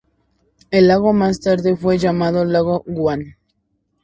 El lago más tarde fue llamado Lago Guan.